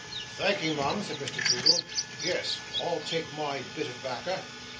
"Thank'ee, Mum," said Mr Toodle. "Yes; I'll take my bit of backer."